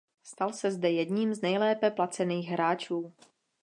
Stal se zde jedním z nejlépe placených hráčů.